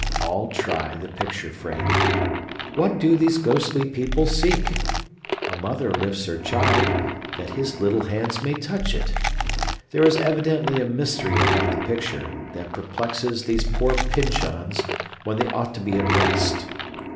All try the picture frame. What do these ghostly people seek? A mother lifts her child, that his little hands may touch it! There is evidently a mystery about the picture, that perplexes these poor Pyncheons when they ought to be at rest.